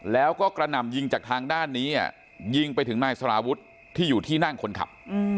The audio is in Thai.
แล้วก็กระหน่ำยิงจากทางด้านนี้ยิงไปถึงนายสารวุฒิที่อยู่ที่นั่งคนขับ